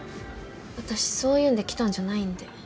私そういうんで来たんじゃないんで。